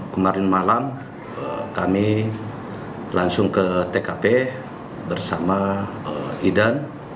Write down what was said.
kemarin malam kami langsung ke tkp bersama idan